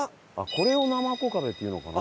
これをなまこ壁って言うのかな？